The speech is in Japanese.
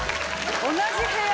同じ部屋？